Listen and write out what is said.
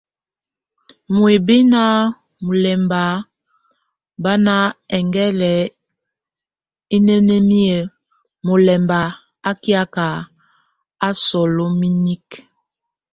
Muíbi na mulɛmba bá nʼ êŋgɛl ineneni mulɛmb á kiak a sólominiek.